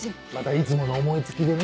いつもの思い付きでね。